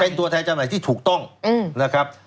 เป็นตัวแทนจำหน่ายที่ถูกต้องนะครับ